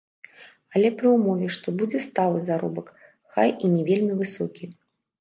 Але пры ўмове, што будзе сталы заробак, хай і не вельмі высокі.